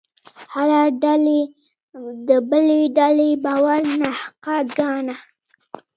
هره ډلې د بلې ډلې باور ناحقه ګاڼه.